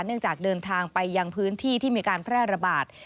จากเดินทางไปยังพื้นที่ที่มีการแพร่ระบาด